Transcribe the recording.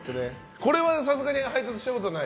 これはさすがに配達したことない？